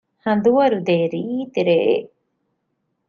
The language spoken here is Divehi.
ހަނދުވަރުދޭ ރީތިރެއެއް